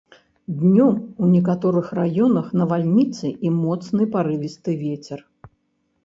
Днём у некаторых раёнах навальніцы і моцны парывісты вецер.